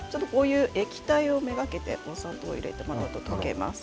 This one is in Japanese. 液体を目がけてお砂糖を入れてもらうと溶けます。